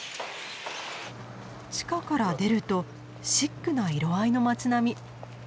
地下から出るとシックな色合いの町並み。